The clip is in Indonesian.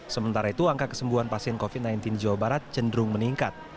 sementara itu angka kesembuhan pasien covid sembilan belas di jawa barat cenderung meningkat